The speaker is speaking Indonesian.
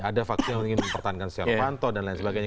ada vaksi yang ingin mempertahankan steno fanto dan lain sebagainya